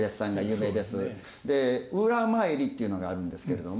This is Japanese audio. で「裏詣り」っていうのがあるんですけれども。